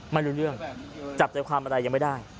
ไม่รู้เรื่องจับใจความอะไรยังไม่ได้